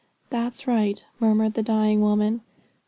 'That's right,' murmured the dying woman.